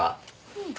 うん。